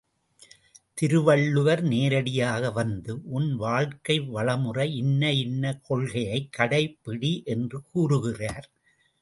திருவள்ளுவர் நேரடியாக வந்து உன் வாழ்க்கை வளமுற இன்ன இன்ன கொள்கையைக் கடைப்பிடி என்று கூறுகிறார்.